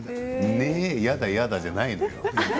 嫌だ嫌だじゃないのよ。